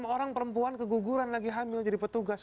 lima orang perempuan keguguran lagi hamil jadi petugas